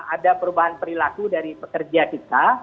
ada perubahan perilaku dari pekerja kita